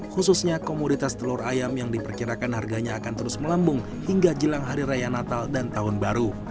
khususnya komoditas telur ayam yang diperkirakan harganya akan terus melambung hingga jelang hari raya natal dan tahun baru